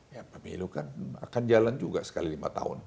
ya pemilu kan akan jalan juga sekali lima tahun